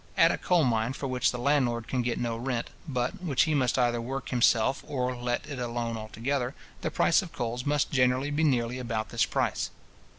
At a coal mine for which the landlord can get no rent, but, which he must either work himself or let it alone altogether, the price of coals must generally be nearly about this price.